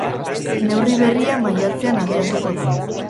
Neurri berria maiatzean abiatuko da.